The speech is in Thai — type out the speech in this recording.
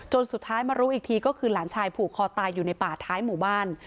สุดท้ายมารู้อีกทีก็คือหลานชายผูกคอตายอยู่ในป่าท้ายหมู่บ้าน